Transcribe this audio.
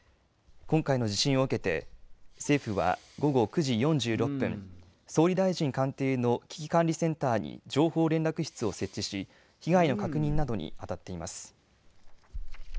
今回の地震を受けて政府は、午後９時４６分、総理大臣官邸の危機管理センターに情報連絡室を設置し、被害の確認などにあたっています。